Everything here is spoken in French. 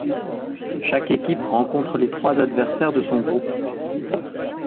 Chaque équipe rencontre les trois adversaires de son groupe.